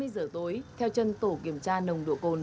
hai mươi giờ tối theo chân tổ kiểm tra nồng độ cồn